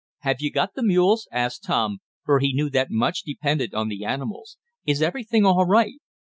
"Have you got the mules?" asked Tom, for he knew that much depended on the animals. "Is everything all right?"